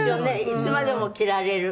いつまでも着られる。